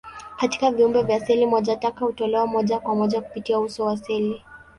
Katika viumbe vya seli moja, taka hutolewa moja kwa moja kupitia uso wa seli.